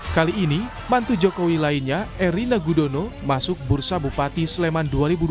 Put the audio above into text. kali ini mantu jokowi lainnya erina gudono masuk bursa bupati sleman dua ribu dua puluh